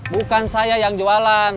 bukan saya yang jualan